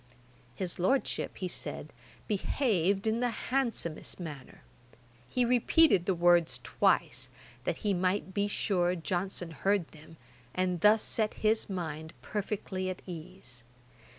His Lordship, he said, behaved in the handsomest manner. He repeated the words twice, that he might be sure Johnson heard them, and thus set his mind perfectly at ease.